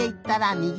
みぎ！